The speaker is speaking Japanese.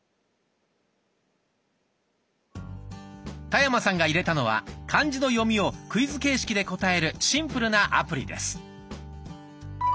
田山さんが入れたのは漢字の読みをクイズ形式で答えるシンプルなアプリです。